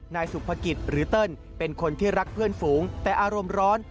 นายสุภกิจหรือเติ้ลเป็นคนที่รักเพื่อนฝูงแต่อารมณ์ร้อน